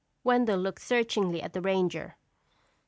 Wendell looked searchingly at the ranger.